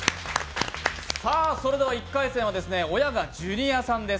１回戦は親がジュニアさんです。